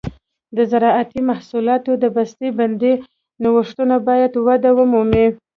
د زراعتي محصولاتو د بسته بندۍ نوښتونه باید وده ومومي.